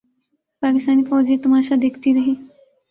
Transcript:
پاکستانی فوج یہ تماشا دیکھتی رہی۔